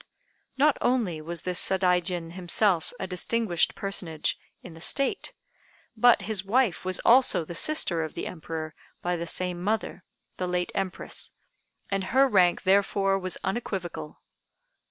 Not only was this Sadaijin himself a distinguished personage in the State, but his wife was also the sister of the Emperor by the same mother, the late Empress; and her rank therefore was unequivocal.